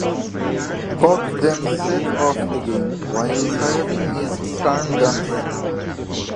Cock then set off again while firing his stern guns.